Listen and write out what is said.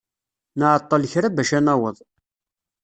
Nɛeṭṭel kra bac ad naweḍ.